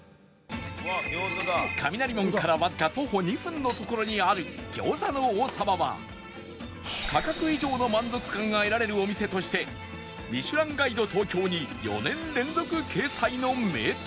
雷門からわずか徒歩２分の所にある餃子の王さまは価格以上の満足感が得られるお店として『ミシュランガイド東京』に４年連続掲載の名店